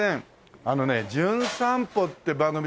あのね『じゅん散歩』って番組で来ました